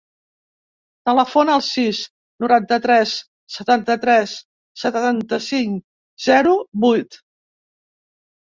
Telefona al sis, noranta-tres, setanta-tres, setanta-cinc, zero, vuit.